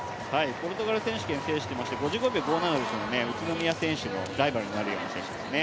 ポルトガル選手権を制していまして宇都宮選手のライバルになるような選手ですね。